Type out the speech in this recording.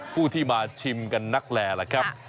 ผู้ที่มาชิมกันนักแลล่ะครับ